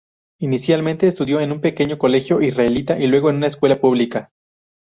Inicialmente estudió en un pequeño colegio israelita y luego en una escuela pública.